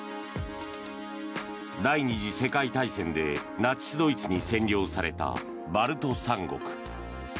第２次世界大戦でナチス・ドイツに占領されたバルト三国。